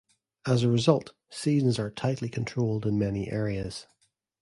As a result, seasons are tightly controlled in many areas.